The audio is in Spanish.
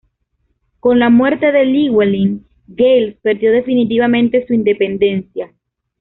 Con la muerte de Llywelyn, Gales perdió definitivamente su independencia.